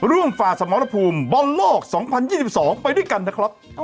ร่วมฝ่าสมรพลุมบันโลก๒๐๒๒ไปด้วยกันนะครับ